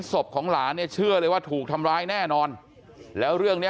ศพของหลานเนี่ยเชื่อเลยว่าถูกทำร้ายแน่นอนแล้วเรื่องเนี้ย